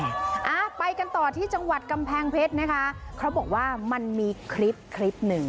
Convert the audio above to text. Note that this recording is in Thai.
อ่าไปกันต่อที่จังหวัดกำแพงเพชรนะคะเขาบอกว่ามันมีคลิปคลิปหนึ่ง